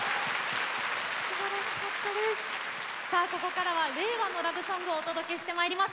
ここからは令和のラブソングをお届けしてまいります。